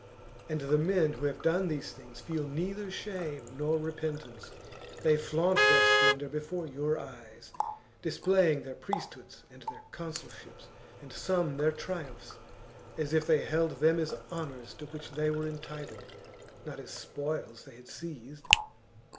And the men who have done these things feel neither shame nor repentance ; they flaunt their splendour before your eyes, displaying their priesthoods and their consulships, and some their triumphs, as if they held them as honours to which they were entitled, not as spoils they had seized.